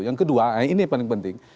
yang kedua ini yang paling penting